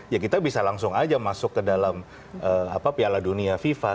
ya kita bisa langsung aja masuk ke dalam piala dunia fifa